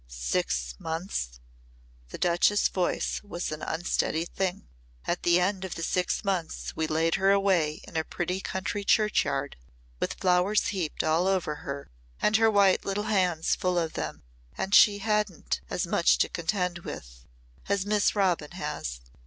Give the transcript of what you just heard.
"Six months?" the Duchess' voice was an unsteady thing. "At the end of six months we laid her away in a pretty country churchyard, with flowers heaped all over her and her white little hands full of them. And she hadn't as much to contend with as Miss Robin has."